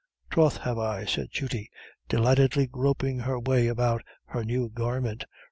"Troth have I," said Judy, delightedly groping her way about her new garment.